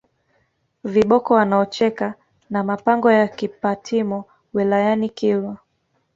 viboko wanaocheka na mapango ya Kipatimo wilayani Kilwa